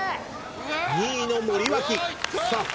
２位の森脇さあ